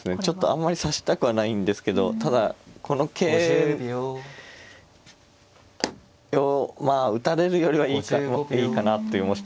ちょっとあまり指したくはないんですけどただこの桂をまあ打たれるよりはいいかなっていう。